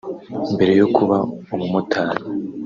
Mbere yo kuba umumotari